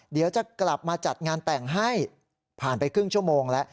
เดี๋ยวจะกลับมาจัดงานแต่งให้ผ่านไปครึ่งชั่วโมงแล้ว